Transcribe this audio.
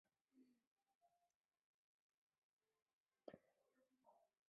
林中拂子茅为禾本科拂子茅属下的一个变种。